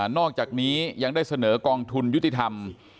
อกจากนี้ยังได้เสนอกองทุนยุติธรรม